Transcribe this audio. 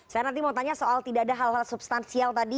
saya nanti mau tanya soal tidak ada hal hal substansial tadi